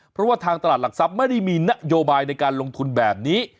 เพราะว่าทางตลาดหลักทรัพย์ไม่ได้มีนโยบายในการลงทุนแบบนี้